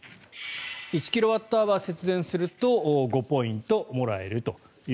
１キロワットアワー節電すると５ポイントもらえると。